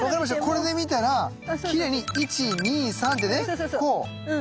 これで見たらきれいに１２３ってねこうはい。